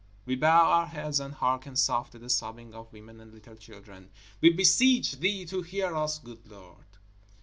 _ We bow our heads and hearken soft to the sobbing of women and little children. _We beseech Thee to hear us, good Lord!